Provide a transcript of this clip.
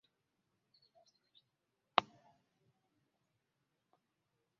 Abavubuka befuddle kirala mu kitundu kyaffe.